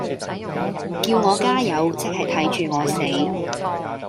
叫我加油，即係睇住我死